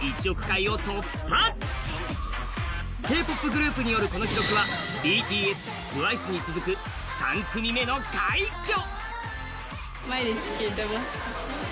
Ｋ−ＰＯＰグループによるこの記録はＢＴＳ、ＴＷＩＣＥに続く３組目の快挙。